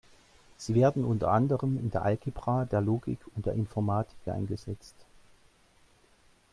Sie werden unter anderem in der Algebra, der Logik und der Informatik eingesetzt.